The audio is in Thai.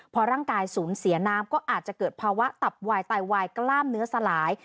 พอร่างกายสูญเสียน้ำก็อาจจะเกิดภาวะตับวายไตวายกล้ามเนื้อสลาย